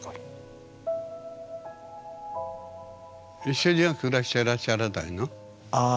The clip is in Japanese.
一緒には暮らしてらっしゃらないの？